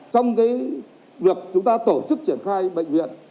trong việc chúng ta tổ chức triển khai bệnh viện